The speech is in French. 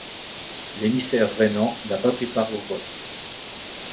L'émissaire rhénan n'a pas pris part au vote.